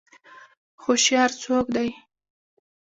هوشیار څوک دی؟